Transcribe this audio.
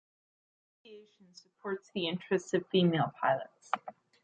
The association supports the interests of female pilots.